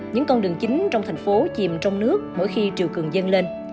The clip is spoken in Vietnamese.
những con đường chính trong thành phố chìm trong nước mỗi khi triều cường dâng lên